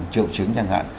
triệu chứng chẳng hạn